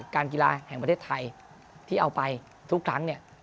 การกีฬาแห่งประเทศไทยที่เอาไปทุกครั้งเนี่ย